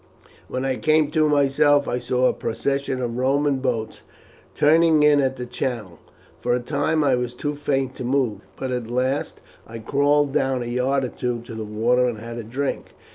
When I came to myself I saw a procession of Roman boats turning in at the channel. For a time I was too faint to move; but at last I crawled down a yard or two to the water and had a drink.